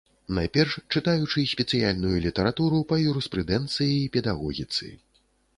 Найперш чытаючы спецыяльную літаратуру па юрыспрудэнцыі і педагогіцы.